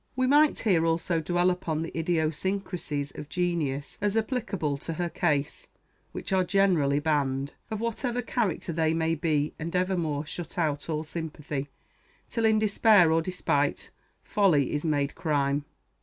We might here also dwell upon the idiosyncrasies of genius as applicable to her case, which are generally banned, of whatever character they may be, and evermore shut out all sympathy, till, in despair or despite, folly is made crime.